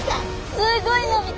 すごい伸びた。